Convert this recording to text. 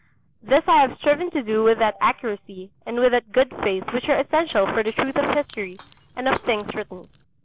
This I have striven to do with that accuracy and with that good faith which are essential for the truth of history and of things written.